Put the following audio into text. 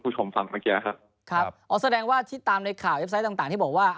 แสดงว่าตามข่าวที่บอกว่า